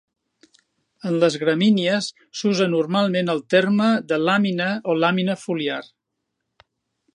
En les gramínies s'usa normalment el terme de làmina o làmina foliar.